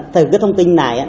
từ cái thông tin này